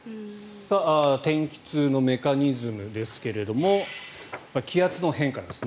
天気痛のメカニズムですが気圧の変化です。